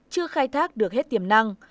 chưa khai thác được hết tiềm năng